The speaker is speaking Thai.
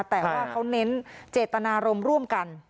แต่ว่าเขาเน้นเจตนารมณ์ร่วมกัน